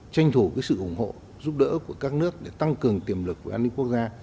tranh thủ sự ủng hộ giúp đỡ của các nước để tăng cường tiềm lực của an ninh quốc gia